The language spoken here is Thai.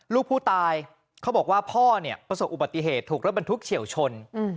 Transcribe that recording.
ลูกผู้ตายเขาบอกว่าพ่อเนี่ยประสบอุบัติเหตุถูกรถบรรทุกเฉียวชน